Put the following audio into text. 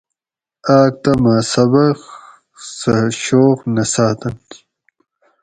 آۤک تہ مہ سبق سہ شوق نہ ساۤتن